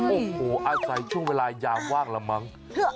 โอ้โหอาจใส่ช่วงเวลายามว่างแล้วมั้ง